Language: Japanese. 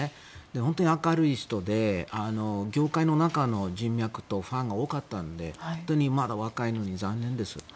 本当に明るい人で業界の中の人脈とファンが多かったので本当に、まだ若いのに残念です。